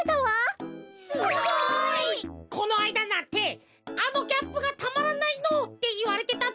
すごい！このあいだなんて「あのギャップがたまらないの」っていわれてたぜ。